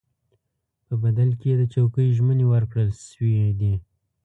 په بدل کې یې د چوکیو ژمنې ورکړل شوې دي.